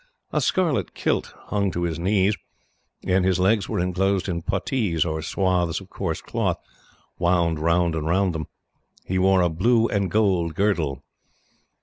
A scarlet kilt hung to his knees, and his legs were enclosed in putties, or swathes, of coarse cloth, wound round and round them. He wore a blue and gold girdle.